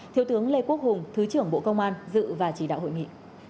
thiếu tướng lê quốc hùng thứ trưởng bộ công an dự và chỉ đạo hội nghị